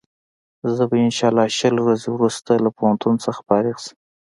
زه به انشا الله شل ورځې وروسته له پوهنتون څخه فارغ شم.